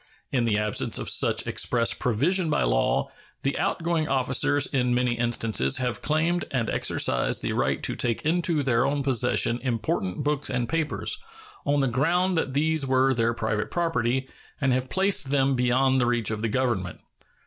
In the absence of such express provision by law, the outgoing officers in many instances have claimed and exercised the right to take into their own possession important books and papers, on the ground that these were their private property, and have placed them beyond the reach of the Government.